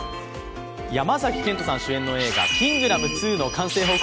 山崎賢人主演の映画「キングダム２」の完成披露